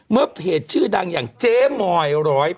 เมื่อเพจชื่อดังอย่างเจมอย๑๐๘